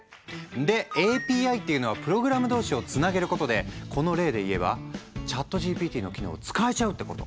でＡＰＩっていうのはプログラム同士をつなげることでこの例でいえばＣｈａｔＧＰＴの機能を使えちゃうってこと。